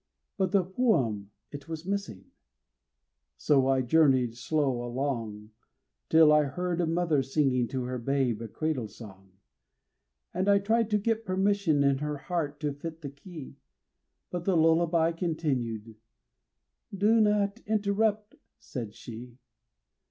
But the poem it was missing; so I journeyed slow along, Till I heard a mother singing to her babe a cradle song; And I tried to get permission in her heart to fit the key, But the lullaby continued: "Do not interrupt," said she.